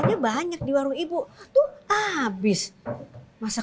ini uangnya tuh pak